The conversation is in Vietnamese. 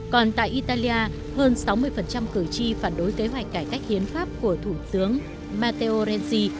còn tại italia hơn sáu mươi cử tri phản đối kế hoạch cải cách hiến pháp của thủ tướng matteo rensi